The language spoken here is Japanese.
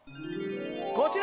こちら！